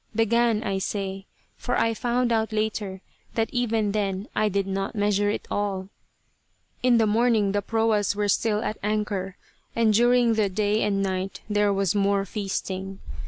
"Began," I say, for I found out later that even then I did not measure it all. In the morning the proas were still at anchor, and during the day and night there was more feasting.